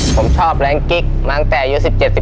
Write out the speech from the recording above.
ผมชอบแรงกิ๊กมาตั้งแต่อายุ๑๗๑๘